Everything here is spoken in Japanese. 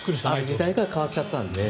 時代とは変わっちゃったので。